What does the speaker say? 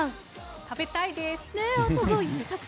食べたいです！